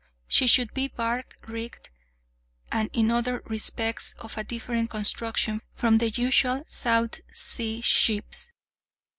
She should be bark rigged, and in other respects of a different construction from the usual South Sea ships.